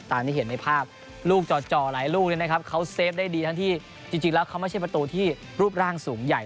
ที่เห็นในภาพลูกจ่อหลายลูกเนี่ยนะครับเขาเซฟได้ดีทั้งที่จริงแล้วเขาไม่ใช่ประตูที่รูปร่างสูงใหญ่